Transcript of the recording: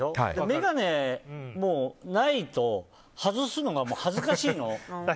眼鏡ないと外すのが恥ずかしいの。